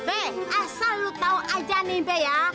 be asal lu tau aja nih be ya